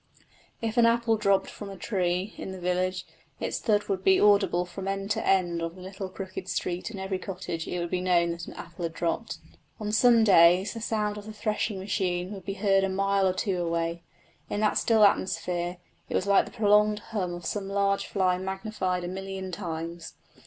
If an apple dropped from a tree in the village, its thud would be audible from end to end of the little crooked street in every cottage it would be known that an apple had dropped. On some days the sound of the threshing machine would be heard a mile or two away; in that still atmosphere it was like the prolonged hum of some large fly magnified a million times.